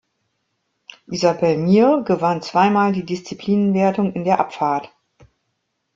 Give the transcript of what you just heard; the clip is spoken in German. Isabelle Mir gewann zweimal die Disziplinenwertung in der Abfahrt.